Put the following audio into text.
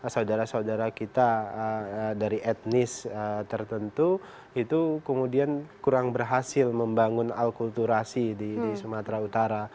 saudara saudara kita dari etnis tertentu itu kemudian kurang berhasil membangun alkulturasi di sumatera utara